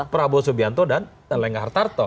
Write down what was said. prabowo subianto dan elangga hartarto